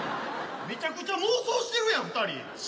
めちゃくちゃ妄想してるやん二人。